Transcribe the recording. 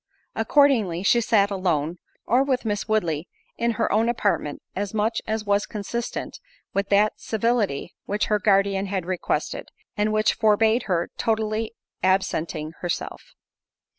Accordingly, she sat alone, or with Miss Woodley in her own apartment as much as was consistent with that civility which her guardian had requested, and which forbade her totally absenting herself.